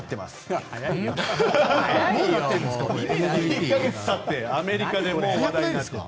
１か月たってアメリカでもう話題になっている。